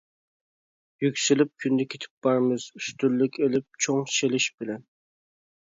يۈكسىلىپ كۈندە كېتىپ بارىمىز، ئۈستۈنلۈك ئېلىپ چوڭ چېلىش بىلەن.